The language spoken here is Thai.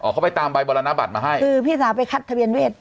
เขาไปตามใบบรรณบัตรมาให้คือพี่สาวไปคัดทะเบียนเวท